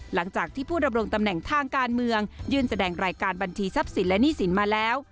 หลังจากที่ผู้ดำรงตำแหน่งทางการเมืองยื่นแสดงรายการบัญชีทรัพย์สินและหนี้สินมาแล้ว